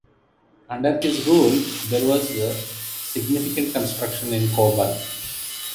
Under his rule, there was significant construction in Coburg.